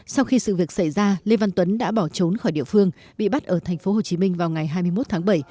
sau khi sự việc xảy ra lê văn tuấn đã bỏ trốn khỏi địa phương bị bắt ở thành phố hồ chí minh vào ngày hai mươi một tháng bảy